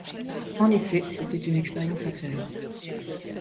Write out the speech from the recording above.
En effet, c’était une expérience à faire.